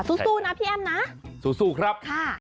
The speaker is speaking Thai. สู้นะพี่แอ้มสู้ครับ